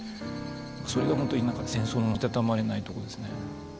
それが本当に何か戦争のいたたまれないところですね。